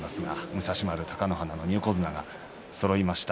武蔵丸と貴乃花の２横綱がそろいました。